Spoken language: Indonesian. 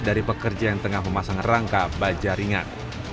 dari pekerja yang tengah memasang rangka bajaringan